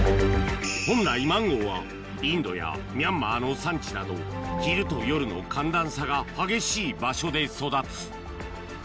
本来マンゴーはインドやミャンマーの山地など昼と夜の寒暖差が激しい場所で育つ